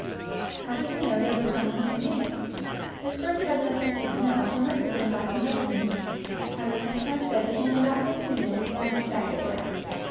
How did he know there was some one so near? As birds have no sense of smell it must have been by some other means. I return to my study and in about fifteen minutes Downy is back at work.